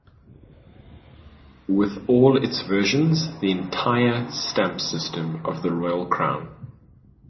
With all its versions, the entire stamp system of the Royal Crown.